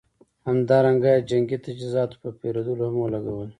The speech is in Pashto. همدارنګه یې جنګي تجهیزاتو په پېرودلو هم ولګول.